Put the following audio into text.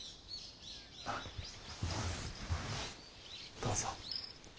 どうぞ。